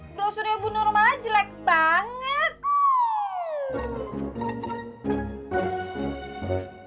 brosurnya bunuh rumahnya jelek banget